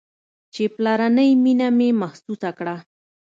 چې پلرنۍ مينه مې محسوسه کړه.